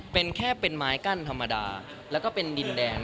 เป็นแค่เป็นไม้กั้นธรรมดาแล้วก็เป็นดินแดน